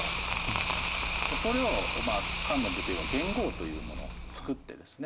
それを漢の武帝は元号というものを作ってですね